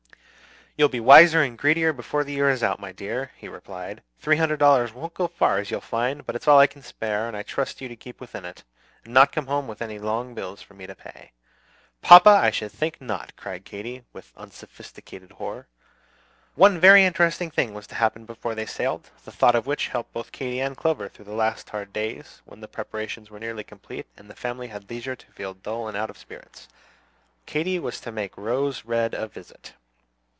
"You'll be wiser and greedier before the year is out, my dear," he replied. "Three hundred dollars won't go far, as you'll find. But it's all I can spare, and I trust you to keep within it, and not come home with any long bills for me to pay." "Papa! I should think not!" cried Katy, with unsophisticated horror. One very interesting thing was to happen before they sailed, the thought of which helped both Katy and Clover through the last hard days, when the preparations were nearly complete, and the family had leisure to feel dull and out of spirits. Katy was to make Rose Red a visit.